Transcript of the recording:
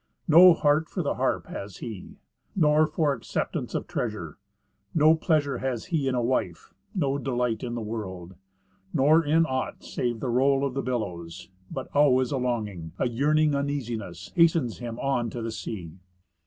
No heart for the harp has he, nor for acceptance of treasure. No pleasure has he in a wife, no delight in the world. Nor in aught save the roll of the billows; but always a longing, A yearning uneasiness, hastens him on to the sea.